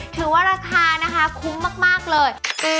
ถือว่าราคานะคะคุ้มมากเลย